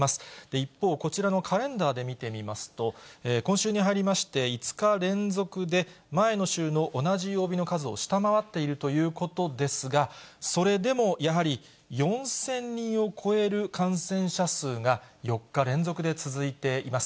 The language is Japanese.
一方、こちらのカレンダーで見てみますと、今週に入りまして、５日連続で、前の週の同じ曜日の数を下回っているということですが、それでもやはり、４０００人を超える感染者数が４日連続で続いています。